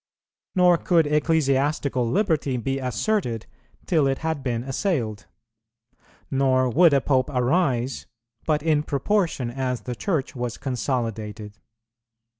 Nor could ecclesiastical liberty be asserted, till it had been assailed. Nor would a Pope arise, but in proportion as the Church was consolidated.